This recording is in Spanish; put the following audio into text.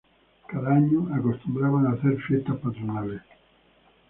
Cada año acostumbraban hacer fiestas patronales.